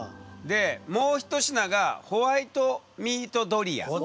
でもう一品がホワイトミートドリア。